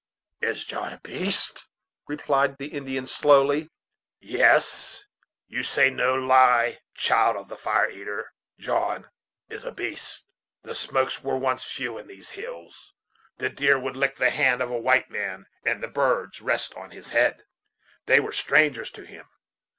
is John a beast?" replied the Indian slowly; "yes; you say no lie, child of the Fire eater! John is a beast. The smokes were once few in these hills, The deer would lick the hand of a white man and the birds rest on his head. They were strangers to him.